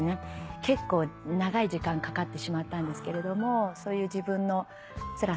結構長い時間かかってしまったんですけれどもそういう自分のつらさとも戦いながら。